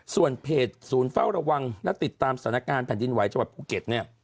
ส่วนเพจฟัวระวังและติดตามสถานการณ์แผ่นดินไหวท์จังหวัดภูเก็ต